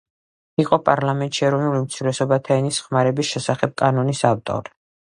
იყო პარლამენტში ეროვნულ უმცირესობათა ენის ხმარების შესახებ კანონის ავტორი.